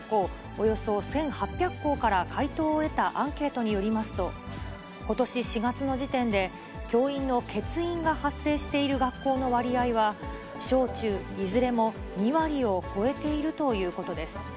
およそ１８００校から回答を得たアンケートによりますと、ことし４月の時点で、教員の欠員が発生している学校の割合は、小中いずれも２割を超えているということです。